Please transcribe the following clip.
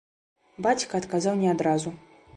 Бацька адказаў не адразу.